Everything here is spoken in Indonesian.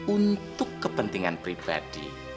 untuk kepentingan pribadi